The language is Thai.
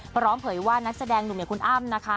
เผยว่านักแสดงหนุ่มอย่างคุณอ้ำนะคะ